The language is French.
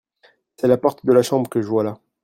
c'est la porte de la chambe que je vois là.